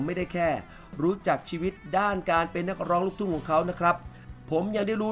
ไม่ได้แค่รู้จักชีวิตด้านการเป็นนักร้องลูกทุ่งของเขานะครับผมยังได้รู้